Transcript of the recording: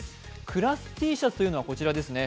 クラスＴシャツというのはこちらですね